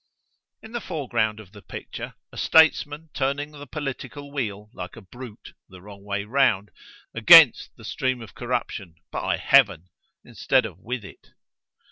In the fore ground of this picture, a statesman turning the political wheel, like a brute, the wrong way round——against the stream of corruption—by Heaven!——instead of with it.